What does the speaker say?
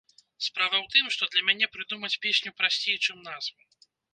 Справа ў тым, што для мяне прыдумаць песню прасцей, чым назву.